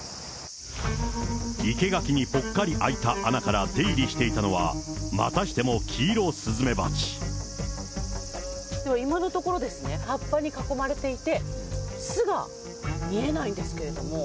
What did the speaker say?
生け垣にぽっかり開いた穴から出入りしていたのは、またして今のところですね、葉っぱに囲まれていて、巣が見えないんですけども。